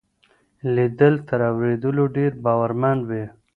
ليدل تر اورېدلو ډېر باورمن وي.